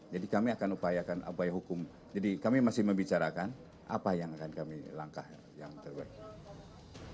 jadi kami akan upayakan upaya hukum jadi kami masih membicarakan apa yang akan kami langkah yang terbaik